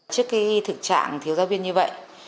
trước cái thực trạng thiếu giáo viên như vậy